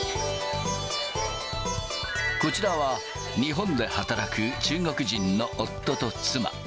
こちらは、日本で働く中国人の夫と妻。